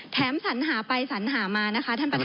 สัญหาไปสัญหามานะคะท่านประธาน